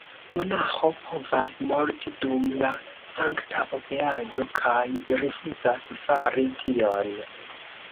Monaĥo povas morti dum la sankta obeado kaj rifuzas fari tion!